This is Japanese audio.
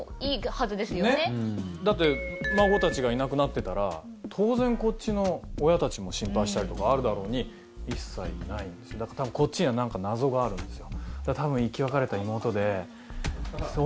だって孫たちがいなくなってたら当然こっちの親たちも心配したりとかあるだろうに一切ないんですよだからこっちには何か謎があるんですよ。